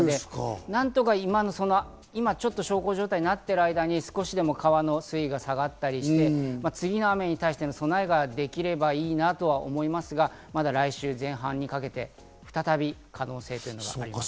何とか今ちょっと小康状態になっている間に少しでも川の水位が下がったりして、次の雨に対しての備えができればいいなとは思いますが、まだ来週前半にかけて再び可能性というのはあります。